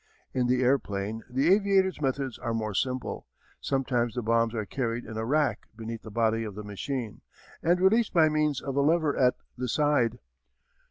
In the airplane the aviator's methods are more simple. Sometimes the bombs are carried in a rack beneath the body of the machine, and released by means of a lever at the side.